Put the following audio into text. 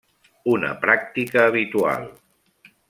Una pràctica habitual.